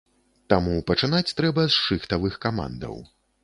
Таму пачынаць трэба з шыхтавых камандаў.